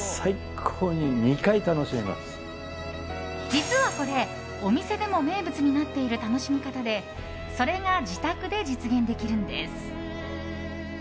実はこれ、お店でも名物になっている楽しみ方でそれが自宅で実現できるのです。